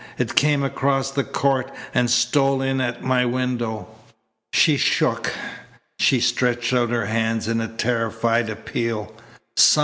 It came across the court and stole in at my window." She shook. She stretched out her hands in a terrified appeal.